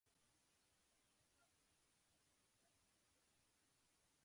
La capital és la ciutat de Gifu.